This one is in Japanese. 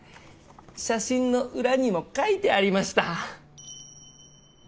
写真の裏にも書いてありました。